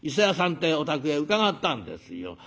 ってえお宅へ伺ったんですよ。